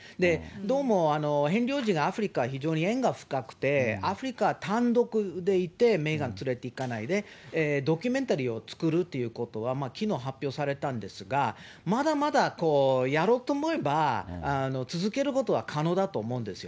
どうもヘンリー王子がアフリカ、非常に縁が深くて、アフリカ単独で行って、メーガン連れていかないでドキュメンタリーを作るということはきのう発表されたんですが、まだまだやろうと思えば続けることは可能だと思うんですよ。